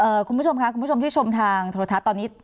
คุณผู้ชมค่ะคุณผู้ชมที่ชมทางโทรทัศน์ตอนนี้